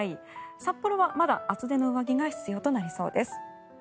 札幌はまだ厚手の上着が必要となりそうです。